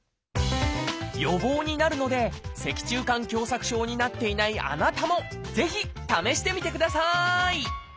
予防になるので脊柱管狭窄症になっていないあなたもぜひ試してみてください！